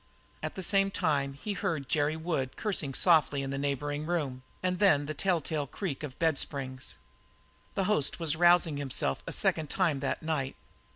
At the same time he heard Jerry Wood cursing softly in a neighbouring room, and then the telltale creak of bedsprings. The host was rousing himself a second time that night.